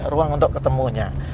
ruang untuk ketemunya